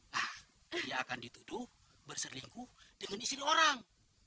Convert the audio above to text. nah dia akan dituduh berseringkuh dengan istri orang